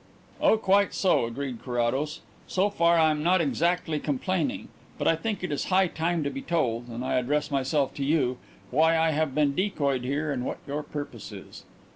"Oh, quite so," agreed Carrados. "So far I am not exactly complaining. But I think it is high time to be told and I address myself to you why I have been decoyed here and what your purpose is."